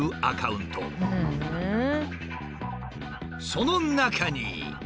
その中に。